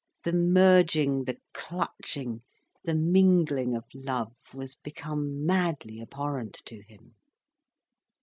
The merging, the clutching, the mingling of love was become madly abhorrent to him.